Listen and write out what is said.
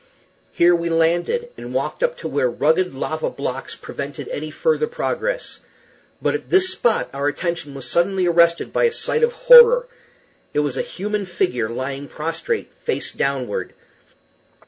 Here we landed, and walked up to where rugged lava blocks prevented any further progress. But at this spot our attention was suddenly arrested by a sight of horror. It was a human figure lying prostrate, face downward.